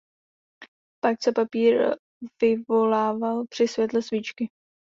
Pak se papír vyvolával při světle svíčky.